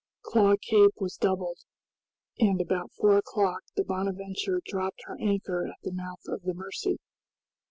Claw Cape was doubled, and about four o'clock the "Bonadventure" dropped her anchor at the mouth of the Mercy.